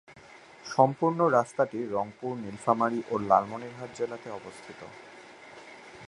সম্পূর্ণ রাস্তাটি রংপুর, নীলফামারী ও লালমনিরহাট জেলাতে অবস্থিত।